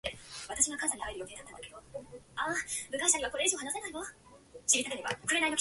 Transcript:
David "Tufty" Clough joined the band on bass guitar.